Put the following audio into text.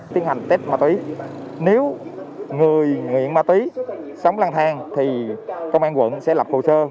tiến hành test ma túy nếu người nghiện ma túy sống lang thang thì công an quận sẽ lập hồ sơ